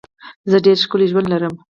زه ډېر ښکلی ژوند لرم.